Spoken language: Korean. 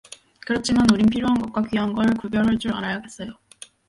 그렇지만 우린 필요한 것과 귀한 걸 구별헐 줄 알어야겠어요.